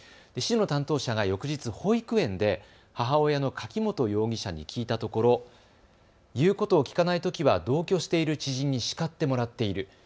市の担当者が翌日、保育園で母親の柿本容疑者に聞いたところ言うことを聞かないときは同居している知人に叱ってもらっている。